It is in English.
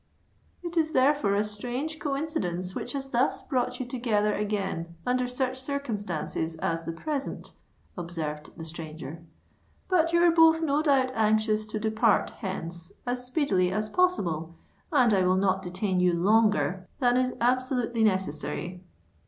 "It is therefore a strange coincidence which has thus brought you together again under such circumstances as the present," observed the stranger. "But you are both no doubt anxious to depart hence as speedily as possible, and I will not detain you longer than is absolutely necessary."